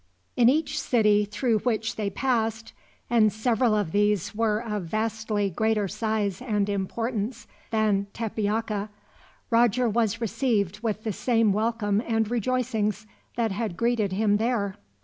In each city through which they passed, and several of these were of vastly greater size and importance than Tepeaca, Roger was received with the same welcome and rejoicings that had greeted him there.